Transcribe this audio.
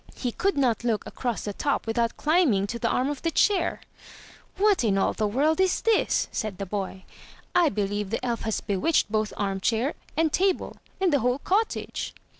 He could not look across the top without climbing to the arm of the chair. "What in all the world is this?" said the boy. " I believe the elf has bewitched both armchair and table — and the whole cottage."